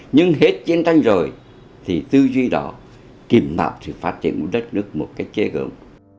nhưng hết chiến tranh rồi thì tư duy đó kìm mạo sự phát triển của đất nước một cái chế gưỡng